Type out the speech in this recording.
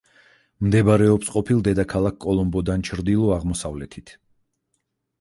მდებარეობს ყოფილ დედაქალაქ კოლომბოდან ჩრდილო-აღმოსავლეთით.